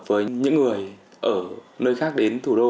với những người ở nơi khác đến thủ đô